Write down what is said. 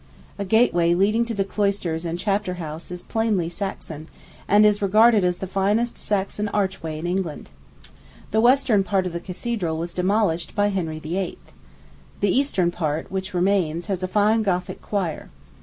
A gateway leading to the cloisters and chapter house is plainly Saxon, and is regarded as the finest Saxon archway in England. The western part of the cathedral was demolished by Henry VIII. The eastern part, which remains, has a fine Gothic choir.